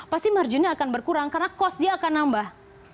pasti marginnya akan berkurang karena cost dia akan nambah